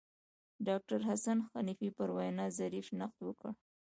ډاکتر حسن حنفي پر وینا ظریف نقد وکړ.